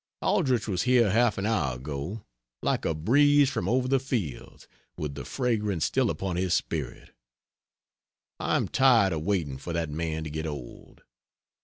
Aldrich was here half an hour ago, like a breeze from over the fields, with the fragrance still upon his spirit. I am tired of waiting for that man to get old.